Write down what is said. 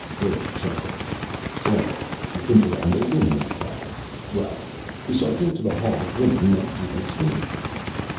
Urg chuckled. "So, you think there are no women in the Caverns? Well, we shall go to the Hall of Women that you may see."